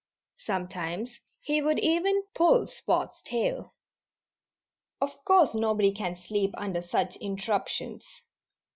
Sometimes he would even pull Spot's tail. Of course nobody can sleep under such interruptions.